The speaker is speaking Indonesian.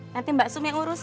nanti mbak sum yang urus ya